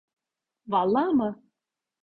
Valla mı?